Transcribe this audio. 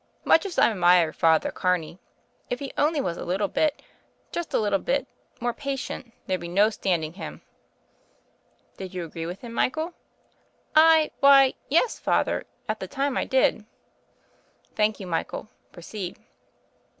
Much as I admire Father Carney, if he only was a little bit — ^just a^ little bit — ^more patient, there'd be no standing him/'; "Did you agree with him, Michael?" "I — ^why, yes, Father — at the time I did." "Thank you, Michael. Proceed."